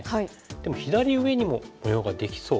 でも左上にも模様ができそう。